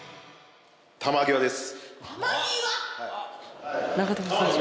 魂際です。